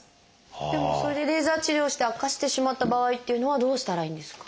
でもそれでレーザー治療をして悪化してしまった場合っていうのはどうしたらいいんですか？